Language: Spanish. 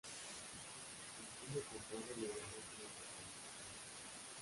Al fundo comprado lo llamó como su país, Grecia.